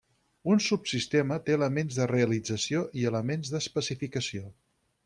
Un subsistema té elements de realització i elements d'especificació.